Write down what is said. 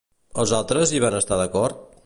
Els altres hi van estar d'acord?